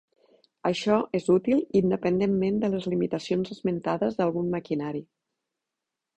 Això és útil independentment de les limitacions esmentades d'algun maquinari.